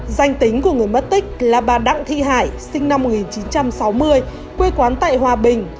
danh tính của người mất tích là bà đặng thị hải sinh năm một nghìn chín trăm sáu mươi quê quán tại hòa bình